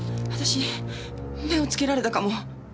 私目をつけられたかも。